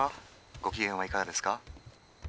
ご機嫌はいかがですか？